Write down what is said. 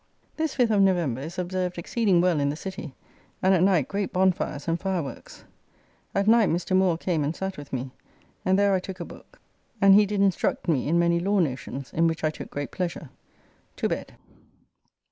This 5th of November is observed exceeding well in the City; and at night great bonfires and fireworks. At night Mr. Moore came and sat with me, and there I took a book and he did instruct me in many law notions, in which I took great pleasure. To bed.